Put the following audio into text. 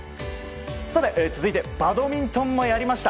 続いてバドミントンもやりました。